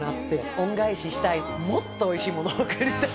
恩返ししたいもっとおいしいものをおくりたい。